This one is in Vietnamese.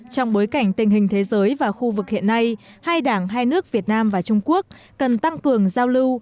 trong bối cảnh tình hình thế giới và khu vực hiện nay hai đảng hai nước việt nam và trung quốc cần tăng cường giao lưu